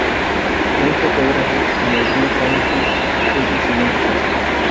Un fotógrafo en el Río Támesis es el siguiente caso.